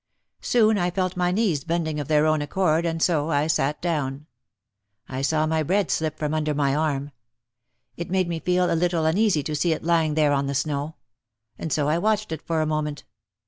Soon I felt my knees bending of their own accord and so I sat down. I saw my bread slip from under my arm. It made me feel a little uneasy to see it lying there on the snow. And so I watched it for a moment.